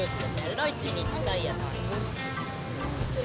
ライチに近いやつ。